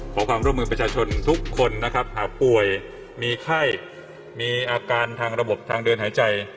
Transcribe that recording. ขอความร่วมมือประชาชนทุกคนนะครับหากป่วยมีไข้มีอาการทางระบบทางเดินหายใจ